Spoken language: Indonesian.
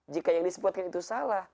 jika yang disebutkan itu salah